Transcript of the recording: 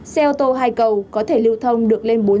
xe ô tô hai cầu có thể lưu thông được lên bộ